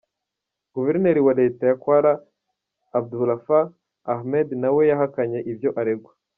Guverineri wa Leta ya Kwara Abdulfatah Ahmed na we yahakanye ibyo aregwa.